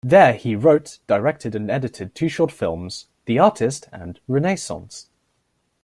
There he wrote, directed and edited two short films, "The Artist" and "Renaissance".